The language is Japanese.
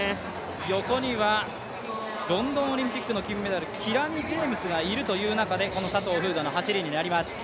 横にはロンドンオリンピックの金メダル、キラニ・ジェームズがいる中でこの佐藤風雅の走りになります。